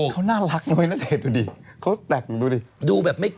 เขาน่ารักก็เจ๋ยว่ะน้าเดตดูดิ